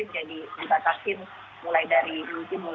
jadi dibatasi mulai dari semisnya dulu